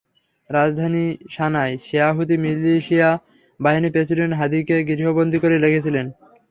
রাজধানী সানায় শিয়া হুতি মিলিশিয়া বাহিনী প্রেসিডেন্ট হাদিকে গৃহবন্দী করে রেখেছিল।